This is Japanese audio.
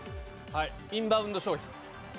インバウンド消費。